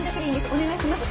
お願いします。